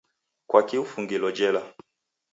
Kwaki ufungilo jela?